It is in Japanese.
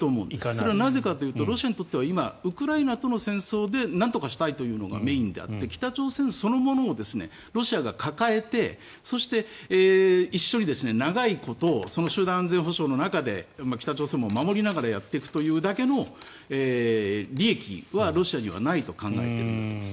それはなぜかというとロシアにとっては今ウクライナとの戦争でなんとかしたいというのがメインであって北朝鮮そのものをロシアが抱えてそして一緒に長いことその集団安全保障の中で北朝鮮も守りながらやっていくというだけの利益はロシアにはないと考えているんだと思います。